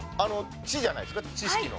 「知」じゃないですか知識の。